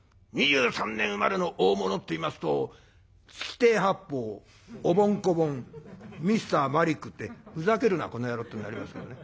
２３年生まれの大物っていいますと月亭八方おぼん・こぼんＭｒ．マリックってふざけるなこの野郎ってなりますけどね。